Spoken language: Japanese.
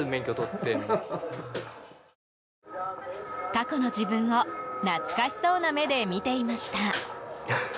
過去の自分を懐かしそうな目で見ていました。